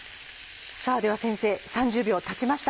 では先生３０秒たちました。